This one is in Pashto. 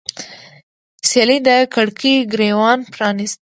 سیلۍ د کړکۍ ګریوان پرانیست